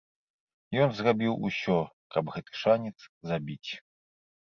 Ён зрабіў усё, каб гэты шанец забіць.